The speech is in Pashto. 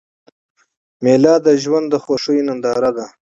مېله د ژوند د خوښیو ننداره ده.